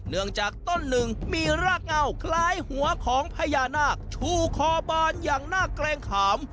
เนื่องจากต้นหนึ่งมีรากเงาคล้ายหัวของพญานาคชูคอบานอย่างน่าเกรงขาม